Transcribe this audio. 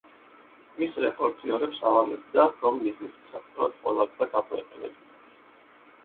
მის რეპორტიორებს ავალებდა რომ მიზნის მისაღწევად ყველა გზა გამოეყენებინათ.